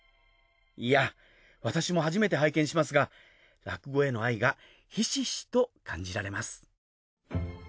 いや私も初めて拝見しますが落語への愛がひしひしと感じられます